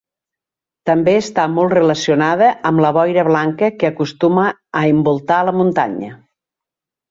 També està molt relacionada amb la boira blanca que acostuma a envoltar la muntanya.